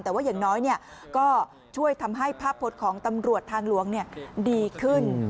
แต่ว่าอย่างน้อยก็ช่วยทำให้ภาพพจน์ของตำรวจทางหลวงดีขึ้น